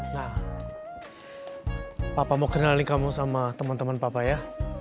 nah papa mau kenalin kamu sama temen temen papa ya